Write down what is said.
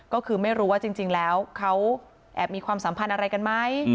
ก็คือไม่รู้ว่าจริงแล้วเขาแอบมีความสัมพันธ์อะไรกันไหม